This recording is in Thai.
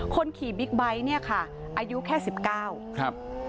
คนขี่บิ๊กไบท์เนี่ยค่ะอายุแค่๑๙ครับ